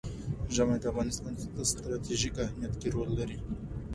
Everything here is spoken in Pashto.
ژمی د افغانستان په ستراتیژیک اهمیت کې رول لري.